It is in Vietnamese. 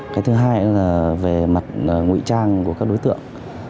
cái thứ hai là về mặt ngụy trang của các đối tượng